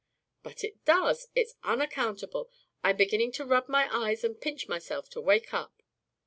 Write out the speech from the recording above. "But it does. It's unaccountable. I'm beginning to rub my eyes and pinch myself to wake up."